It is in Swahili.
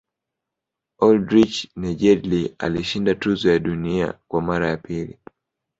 oldrich nejedly alishinda tuzo ya dunia kwa mara ya pili